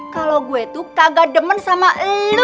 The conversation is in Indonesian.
kalo gue tuh kagak demen sama lo